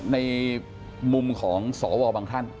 ในมุมของสวบางท่าน